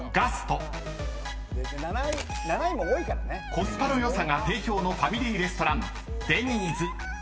［コスパの良さが定評のファミリーレストラン］